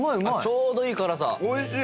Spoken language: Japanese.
ちょうどいい辛さ。